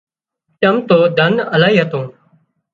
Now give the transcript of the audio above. چم تو ڌن الاهي هتون